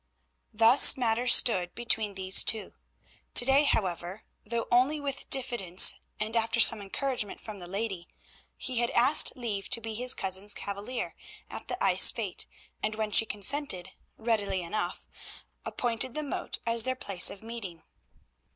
Thus matters stood between these two. To day, however, though only with diffidence and after some encouragement from the lady, he had asked leave to be his cousin's cavalier at the ice fete, and when she consented, readily enough, appointed the moat as their place of meeting.